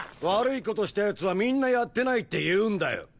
悪い事した奴はみんなやってないって言うんだよ！